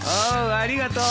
ありがとう。